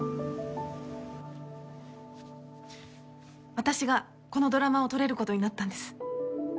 私がこのドラマを撮れる事になったんです。